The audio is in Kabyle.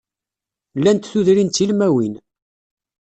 Llant tudrin ttilmawin.